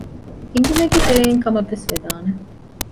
އެނގުމެއްގެ ތެރެއިން ކަމަށް ވެސް ވެދާނެ